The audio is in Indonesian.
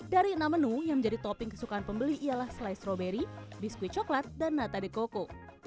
dari enam menu yang menjadi topping kesukaan pembeli ialah slice strawberry biskuit coklat dan nata de coco